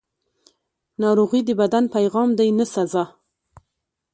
ناروغي د بدن پیغام دی، نه سزا.